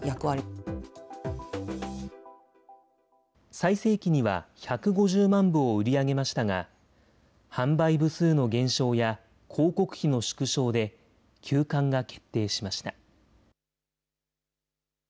最盛期には１５０万部を売り上げましたが、販売部数の減少や、広告費の縮小で、休刊が決定しました。